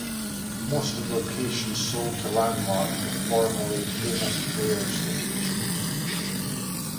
Most of the locations sold to Landmark were formerly Famous Players locations.